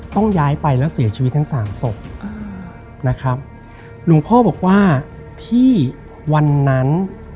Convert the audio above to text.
ต้องย้ายไปแล้วเสียชีวิตทั้งสามศพนะครับหลวงพ่อบอกว่าที่วันนั้น